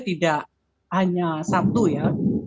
tidak hanya satu ya